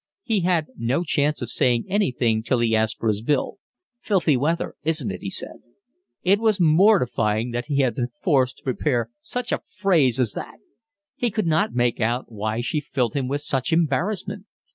He had no chance of saying anything till he asked for his bill. "Filthy weather, isn't it?" he said. It was mortifying that he had been forced to prepare such a phrase as that. He could not make out why she filled him with such embarrassment.